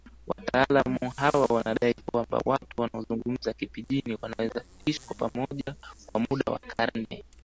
Wataalamu hawa wanadai kwamba watu wanaozungumza Kipijini wanaweza kuishi pamoja kwa muda wa karne